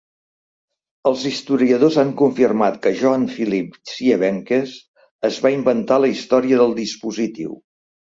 Els historiadors han confirmat que Johann Philipp Siebenkees es va inventar la història del dispositiu.